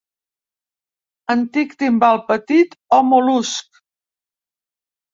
Antic timbal petit o mol·lusc.